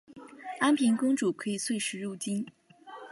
安平公主可以岁时入京。